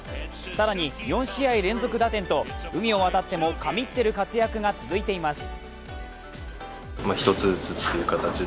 更に４試合連続打点と海を渡っても神ってる活躍が続いています。